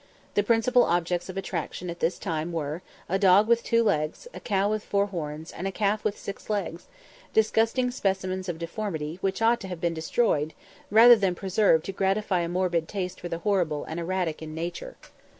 The principal objects of attraction at this time were, a dog with two legs, a cow with four horns, and a calf with six legs disgusting specimens of deformity, which ought to have been destroyed, rather than preserved to gratify a morbid taste for the horrible and erratic in nature.